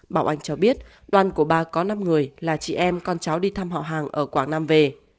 bảo anh cho biết đoàn của bà có năm người là chị em con cháu đi thăm họ hàng ở quảng nam về